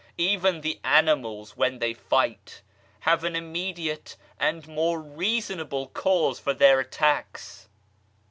Even the animals, when they fight, have an immediate and more reasonable cause for their attacks